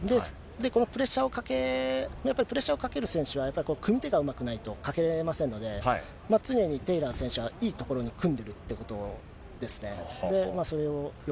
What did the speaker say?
このプレッシャーを、プレッシャーをかける選手は、やっぱり組み手がうまくないとかけれませんので、常にテイラー選手はいい所に組んでるということですね。